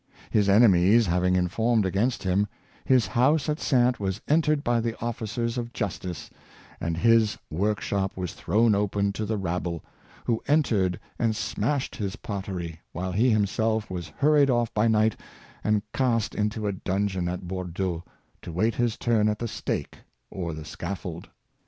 His enemies having informed against him, his house at Saintes was entered by the officers of ''justice," and his workshop was thrown open to the rabble, who entered and smashed his pottery, while he himself was hurried off by night and cast into a dun geon at Bordeaux, to wait his turn at the stake or the scaffold.